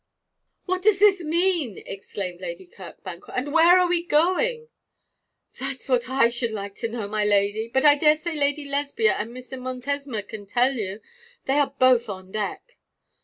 'What does this mean?' exclaimed Lady Kirkbank; 'and where are we going?' 'That's what I should like to know, my lady. But I daresay Lady Lesbia and Mr. Montesma can tell you. They are both on deck.'